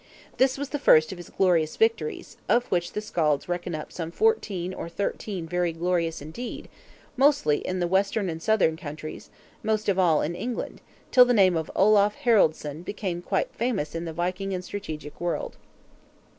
This was the first of his glorious victories, of which the Skalds reckon up some fourteen or thirteen very glorious indeed, mostly in the Western and Southern countries, most of all in England; till the name of Olaf Haraldson became quite famous in the Viking and strategic world.